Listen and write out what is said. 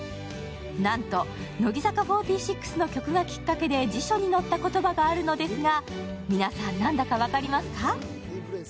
なんと乃木坂４６の曲がきっかけで、辞書に載った言葉があるのですが皆さんなんだか分かりますか？